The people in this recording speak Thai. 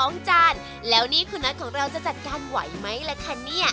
ทั้ง๒จานแล้วนี่คุณนัทของเราจะจัดการไหวมั้ยแหละคะเนี่ย